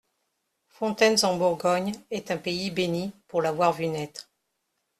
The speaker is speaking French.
Fontaines en Bourgogne est un pays béni pour l'avoir vu naître.